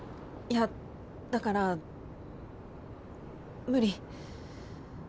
いやだから無理。